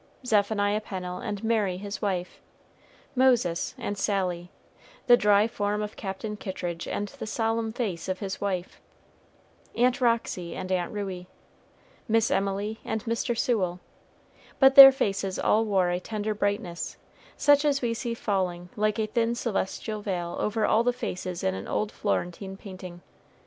Zephaniah Pennel and Mary his wife, Moses and Sally, the dry form of Captain Kittridge and the solemn face of his wife, Aunt Roxy and Aunt Ruey, Miss Emily and Mr. Sewell; but their faces all wore a tender brightness, such as we see falling like a thin celestial veil over all the faces in an old Florentine painting.